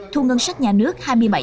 thu ngân sách nhà nước hai mươi bảy